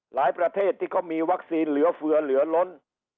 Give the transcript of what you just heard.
ประเทศที่เขามีวัคซีนเหลือเฟือเหลือล้น